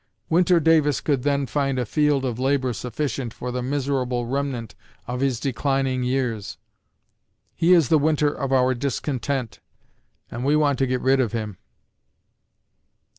Winter Davis could then find a field of labor sufficient for the miserable remnant of his declining years. He is the winter of our discontent, and we want to get rid of him.